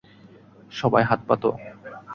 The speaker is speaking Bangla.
সবাই হাত পাতো।